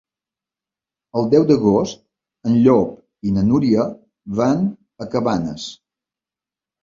El deu d'agost en Llop i na Núria van a Cabanes.